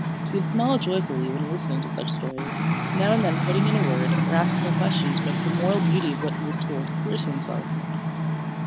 He would smile joyfully when listening to such stories, now and then putting in a word or asking a question to make the moral beauty of what he was told clear to himself.